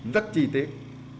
rất chi tiết